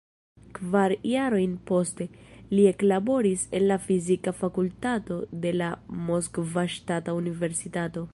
Kvar jarojn poste, li eklaboris en la Fizika Fakultato de la Moskva Ŝtata Universitato.